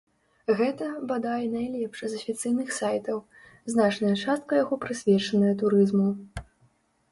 Гэта, бадай, найлепшы з афіцыйных сайтаў, значная частка яго прысвечаная турызму.